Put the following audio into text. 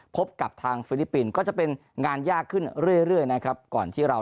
พบกับทางฟิลิปปินส์ก็จะเป็นงานยากขึ้นเรื่อยนะครับก่อนที่เรา